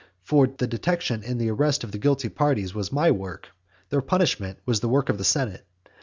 For the detection and arrest of the guilty parties was my work, their punishment was the work of the senate.